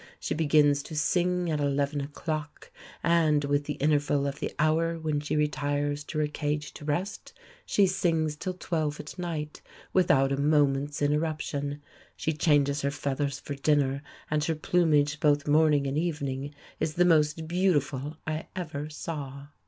She begins to sing at eleven o'clock, and, with the interval of the hour when she retires to her cage to rest, she sings till twelve at night without a moment's interruption. She changes her feathers for dinner, and her plumage both morning and evening is the most beautiful I ever saw."